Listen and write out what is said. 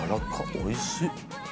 おいしい。